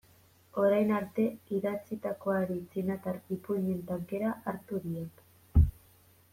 Orain arte idatzitakoari txinatar ipuin-en tankera hartu diot.